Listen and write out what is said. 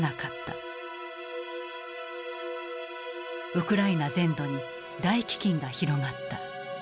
ウクライナ全土に大飢きんが広がった。